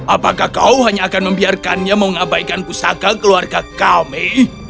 apakah kau hanya akan membiarkannya mengabaikan pusaka keluarga kami